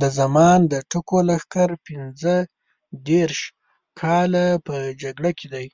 د زمان د ټکو لښکر پینځه دېرش کاله په جګړه کې دی.